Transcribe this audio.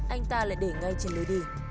anh ta lại để ngay trên lối đi